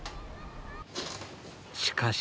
しかし。